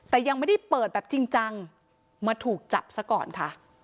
แต่ยังไม่ได้เปิดแบบจริงจังมาถูกจับซะก่อนค่ะ